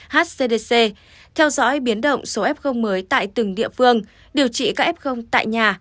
hcdc theo dõi biến động số f mới tại từng địa phương điều trị các f tại nhà